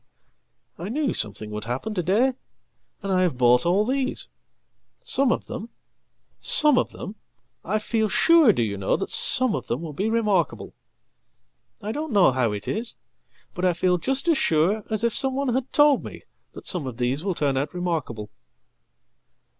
"I knew something would happen to day. And I have bought all these. Someof them some of them I feel sure, do you know, that some of them will beremarkable. I don't know how it is, but I feel just as sure as if some onehad told me that some of these will turn out remarkable."